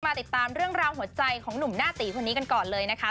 ติดตามเรื่องราวหัวใจของหนุ่มหน้าตีคนนี้กันก่อนเลยนะคะ